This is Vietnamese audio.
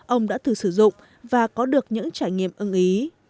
ông đã thử sử dụng và có được những trải nghiệm ưng ý